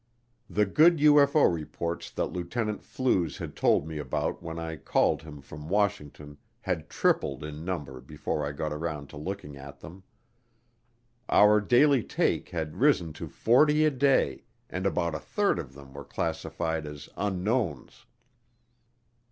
The good UFO reports that Lieutenant Flues had told me about when I called him from Washington had tripled in number before I got around to looking at them. Our daily take had risen to forty a day, and about a third of them were classified as unknowns.